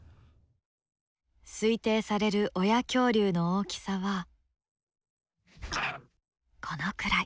推定される親恐竜の大きさはこのくらい。